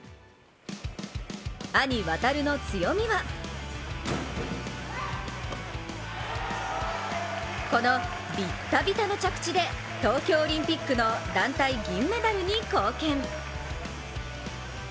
兄・航の強みはこの、ビッタビタの着地で東京オリンピックの団体銀メダルに貢献。